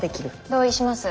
同意します。